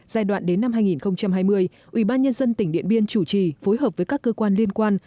giai đoạn đến năm hai nghìn hai mươi ủy ban nhân dân tỉnh điện biên chủ trì phối hợp với các cơ quan liên quan